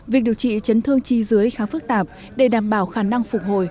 việc điều trị chấn thương chi dưới khá phức tạp để đảm bảo khả năng phục hồi